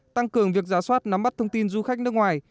tăng cường việc giả soát nắm bắt thông tin du khách nước ngoài